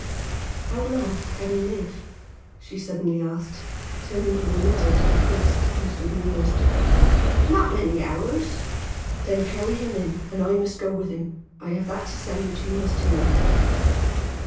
How long can he live?" she suddenly asked, turning from the litter to the priest, who stood nearest. "Not many hours." "Then carry him in, and I must go with him. I have that to say which he must hear."